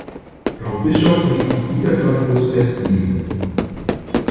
Frau Bischof ließ sich widerstandslos festnehmen.